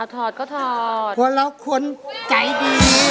ตัวเราควรใจดีดี